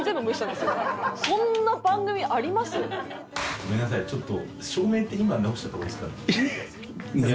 ごめんなさいちょっと。